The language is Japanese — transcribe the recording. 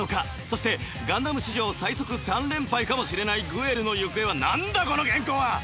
そして「ガンダム」史上最速３連敗かもしれないグエルの行方はなんだこの原稿は！